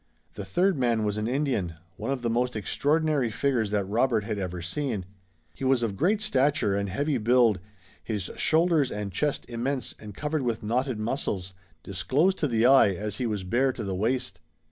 The third man was an Indian, one of the most extraordinary figures that Robert had ever seen. He was of great stature and heavy build, his shoulders and chest immense and covered with knotted muscles, disclosed to the eye, as he was bare to the waist.